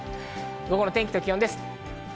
午後の天気と気温です。